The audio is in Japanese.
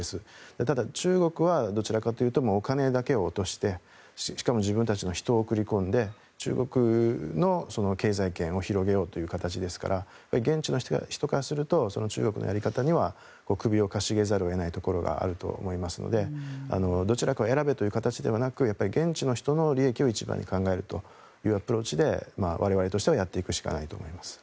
ただ、中国はどちらかというとお金だけを落としてしかも自分たちの人を送り込んで中国の経済圏を広げようという形ですから現地の人からすると中国のやり方には首をかしげざるを得ないところはあると思いますのでどちらかを選べという形ではなく現地の人の利益を一番に考えるというアプローチで我々としてはやっていくしかないと思います。